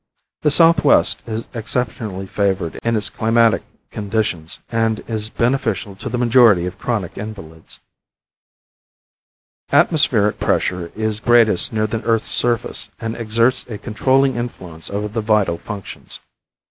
The southwest is exceptionally favored in its climatic conditions, and is beneficial to the majority of chronic invalids. Atmospheric pressure is greatest near the earth's surface, and exerts a controlling influence over the vital functions.